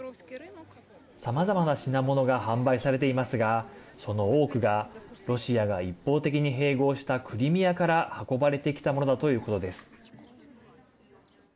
さまざまな品物が販売されていますがその多くがロシアが一方的に併合したクリミアから運ばれてきたものだということです。